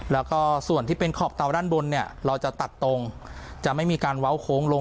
แล้วก็ส่วนที่เป็นขอบเตาด้านบนเนี่ยเราจะตัดตรงจะไม่มีการเว้าโค้งลง